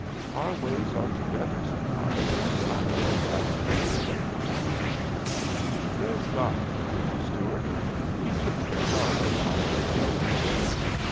"Our ways are together," said I. "I'm going back to the railroad hotel." "There's Guy," continued Stuart. "He took the prize on 'The Jumping Frog.'